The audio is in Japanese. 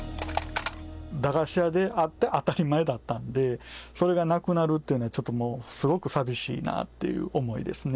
駄菓子屋にあって当たり前だったので、それがなくなるっていうのは、ちょっともうすごく寂しいなっていう思いですね。